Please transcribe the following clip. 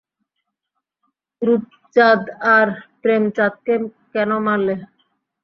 রূপচাঁদ আর প্রেমচাঁদকে কেন মারলে?